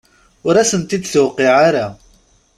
Ur asent-d-tuqiɛ ara?